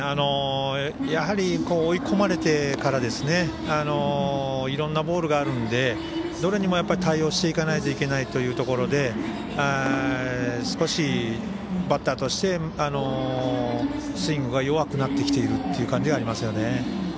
やはり追い込まれてからいろいろなボールがあるのでどれにも対応していかないといけないというところで少しバッターとしてスイングが弱くなってきているという感じがありますよね。